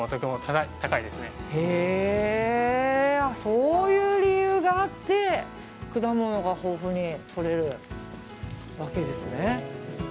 そういう理由があって果物が豊富にとれるわけですね。